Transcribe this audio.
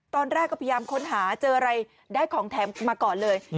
ตอนแรกก็พยายามค้นหาเจออะไรได้ของแถมมาก่อนเลย